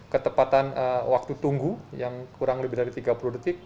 ketepatan waktu tunggu yang kurang lebih dari tiga puluh detik